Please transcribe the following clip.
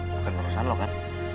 bukan urusan lo kan